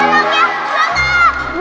kamu harus menang ya